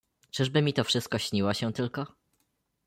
"Czyż by mi to wszystko śniło się tylko?"